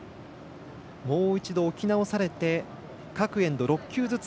もう一度、置き直されて各エンド６球ずつ。